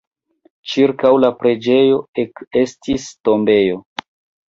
Ĉirkaŭ la preĝejo ekestis tombejo.